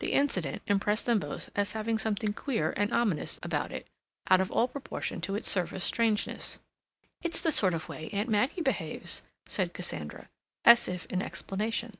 The incident impressed them both as having something queer and ominous about it out of all proportion to its surface strangeness. "It's the sort of way Aunt Maggie behaves," said Cassandra, as if in explanation.